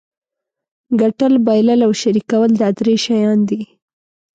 ګټل بایلل او شریکول دا درې شیان دي.